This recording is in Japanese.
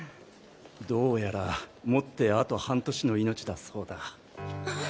どうやらもってあと半年の命だそうだ。